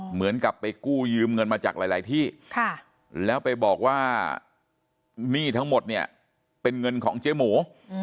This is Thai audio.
เหมือนกับไปกู้ยืมเงินมาจากหลายที่แล้วไปบอกว่าหนี้ทั้งหมดเนี่ยเป็นเงินของเจ๊หมู